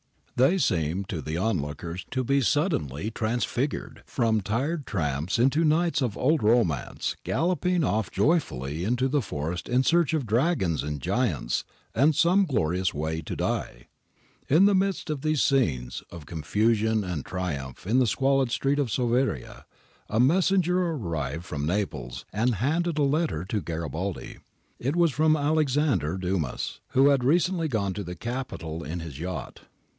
They seemed to the onlookers to be suddenly transfigured from tired tramps into knights of old romance galloping off joyfully into the forest in search of dragons and giants and some glorious way to die. ^ In the midst of these scenes of confusion and triumph in the squalid street of Soveria a messenger arrived from Naples and handed a letter to Garibaldi. It was from Alexandre Dumas, who had recently gone to the capital in his yacht.